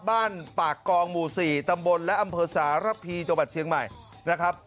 ปากกองหมู่๔ตำบลและอำเภอสารพีจังหวัดเชียงใหม่นะครับ